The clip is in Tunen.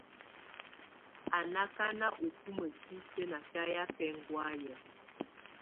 Á na akana ubumǝ sisi ná biayɛ bɛkɔ̀áyɛ.